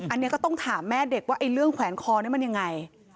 อันนี้ก็ต้องถามแม่เด็กว่าไอ้เรื่องแขวนคอนี่มันยังไง